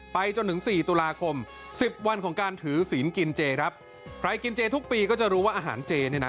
จนถึงสี่ตุลาคมสิบวันของการถือศีลกินเจครับใครกินเจทุกปีก็จะรู้ว่าอาหารเจเนี่ยนะ